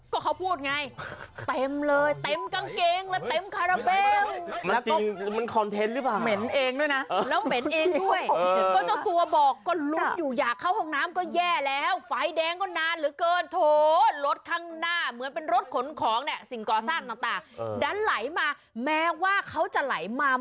ก็เขาพูดไงเต็มเลยเต็มกางเกงและเต็มการะเบ้ม